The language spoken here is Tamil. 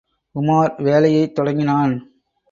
உமார் வேலையைத் தொடங்கினான்.